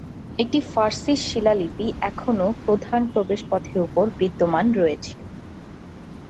একটি ফারসি শিলালিপি এখনও প্রধান প্রবেশপথের উপর বিদ্যমান রয়েছে।